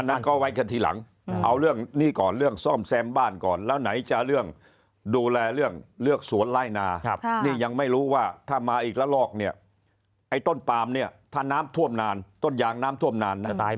นั้นก็ไว้กันทีหลังเอาเรื่องนี้ก่อนเรื่องซ่อมแซมบ้านก่อนแล้วไหนจะเรื่องดูแลเรื่องเลือกสวนไล่นานี่ยังไม่รู้ว่าถ้ามาอีกละลอกเนี่ยไอ้ต้นปามเนี่ยถ้าน้ำท่วมนานต้นยางน้ำท่วมนานนะ